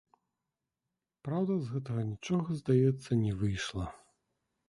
Праўда, з гэтага нічога, здаецца, не выйшла.